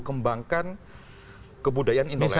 kembangkan kebudayaan indonesia